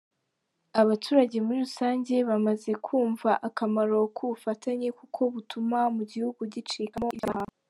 Abaturage muri rusange bamaze kumva akamaro k’ubufatanye kuko butuma mu gihugu gicikamo ibyaha.